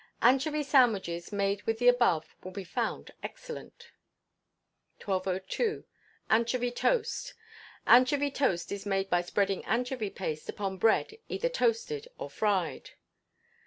Anchovy sandwiches made with the above, will be found excellent. 1202. Anchovy Toast. Anchovy toast is made by spreading anchovy paste upon bread either toasted or fried.